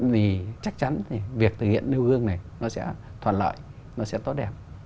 vì chắc chắn việc thực hiện nêu gương này nó sẽ thuận lợi nó sẽ tốt đẹp